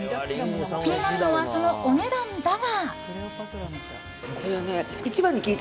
気になるのは、そのお値段だが。